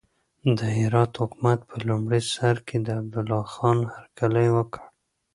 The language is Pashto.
د هرات حکومت په لومړي سر کې د عبدالله خان هرکلی وکړ.